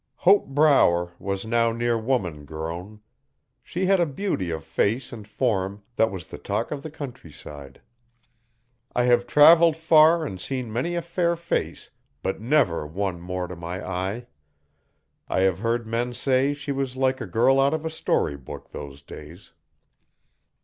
Hope Brower was now near woman grown. She had a beauty of face and form that was the talk of the countryside. I have travelled far and seen many a fair face hut never one more to my eye. I have heard men say she was like a girl out of a story book those days.